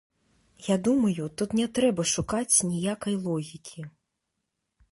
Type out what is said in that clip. Я думаю, тут не трэба шукаць ніякай логікі.